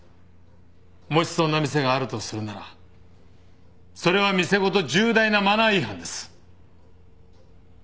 もしそんな店があるとするならそれは店ごと重大なマナー違反です。